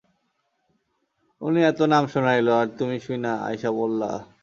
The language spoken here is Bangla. উনি এত নাম শুনাইলো, আর তুমি শুইনা, আইসা পড়লা।